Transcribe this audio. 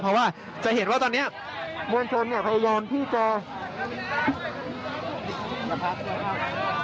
เพราะว่าจะเห็นว่าตอนเนี้ยมวลชนเนี้ยพยายามที่จะ